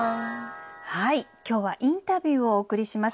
今日はインタビューをお送りします。